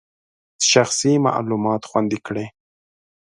شخصي معلومات خوندي کړئ.